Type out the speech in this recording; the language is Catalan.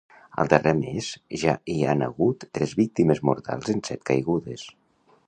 Al darrer mes ja hi han hagut tres víctimes mortals en set caigudes.